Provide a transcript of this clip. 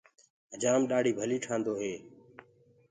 هجآم ڏآڙهي ڀلي ٺآندو هي۔